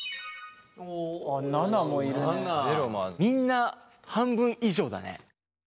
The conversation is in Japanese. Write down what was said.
みんな半分以上だね。